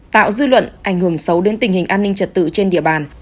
tạo dư luận ảnh hưởng xấu đến tình hình an ninh trật tự trên địa bàn